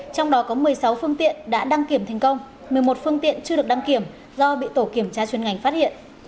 trong đó có một mươi sáu phương tiện đã đăng kiểm thành công một mươi một phương tiện chưa được đăng kiểm do bị tổ kiểm tra chuyên ngành phát hiện